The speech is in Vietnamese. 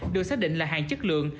được xác định là hàng chất lượng